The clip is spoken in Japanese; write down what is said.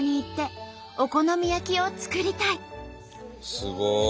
すごい。